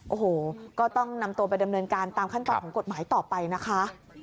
โอ้โหก็ต้องนำตัวไปดำเนินการตามขั้นตอนของกฎหมายต่อไปนะคะ